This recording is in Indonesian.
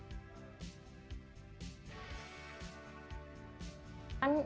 bagaimana cara membuatnya